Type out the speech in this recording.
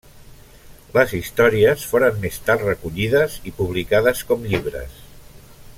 Les històries foren més tard recollides i publicades com llibres.